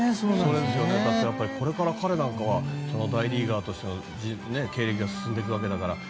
これから彼なんかは大リーガーとしての経歴が進んでいくわけだから。